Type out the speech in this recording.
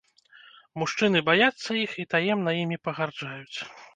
Мужчыны баяцца іх і таемна імі пагарджаюць.